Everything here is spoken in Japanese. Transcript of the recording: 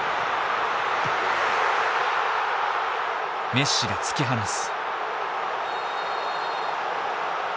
メッシが突き放す。